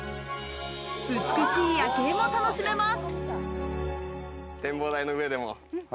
美しい夜景も楽しめます。